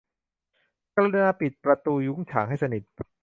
กรุณาปิดประตูยุ้งฉางให้สนิท